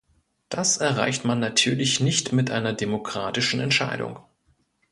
Das erreicht man natürlich nicht mit einer demokratischen Entscheidung.